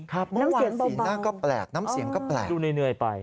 เมื่อวานสีหน้าก็แปลกน้ำเสียงก็แปลกดูเหนื่อยไป